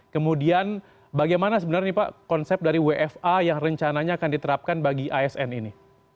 kemudian bagaimana sebenarnya pak konsep dari wfa yang rencananya akan diterapkan bagi asn ini